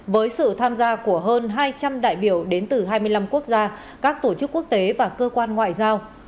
với sự tham gia của hơn hai trăm linh đại biểu đến từ hai mươi năm quốc gia các tổ chức quốc tế và cơ quan ngoại giao